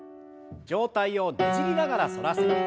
上体をねじりながら反らせて。